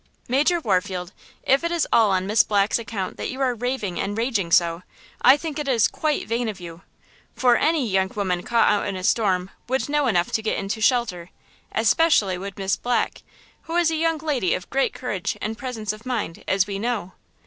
"Major Warfield, if it is all on Miss Black's account that you are raving and raging so, I think it is quite vain of you! for any young woman caught out in a storm would know enough to get into shelter; especially would Miss Black, who is a young lady of great courage and presence of mind, as we know.